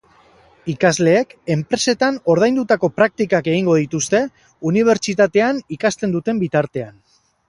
Ikasleek enpresetan ordaindutako praktikak egingo dituzte unibertsitatean ikasten duten bitartean.